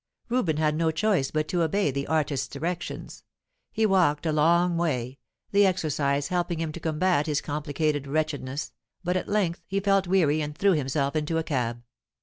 Reuben had no choice but to obey the artist's directions. He walked a long way, the exercise helping him to combat his complicated wretchedness, but at length he felt weary and threw himself into a cab.